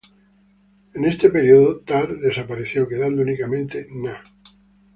En este periodo, -tar desapareció quedando únicamente -na-